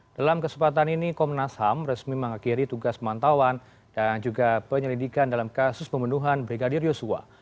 dalam kesempatan ini komnas ham resmi mengakhiri tugas pemantauan dan juga penyelidikan dalam kasus pembunuhan brigadir yosua